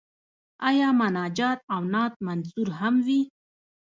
آیا مناجات او نعت منثور هم وي؟